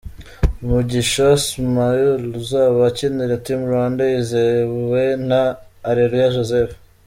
Mugisha Samuel uzaba akinira Team Rwanda yizewe na Areruya Joseph .